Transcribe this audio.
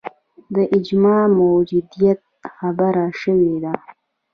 د اجماع موجودیت خبره شوې ده